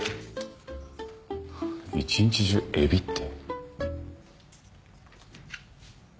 一日中エビって。